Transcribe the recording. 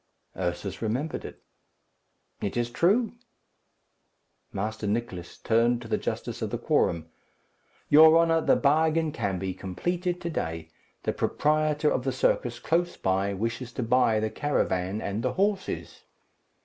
Ursus remembered it. "It is true." Master Nicless turned to the justice of the quorum. "Your honour, the bargain can be completed to day. The proprietor of the circus close by wishes to buy the caravan and the horses."